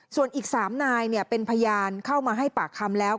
ส่วนอีก๓นายเป็นพยานเข้ามาให้ปากคำแล้ว